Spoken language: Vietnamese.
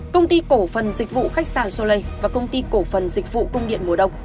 công ty cổ phần dịch vụ khách sạn sô lê và công ty cổ phần dịch vụ công điện mùa đông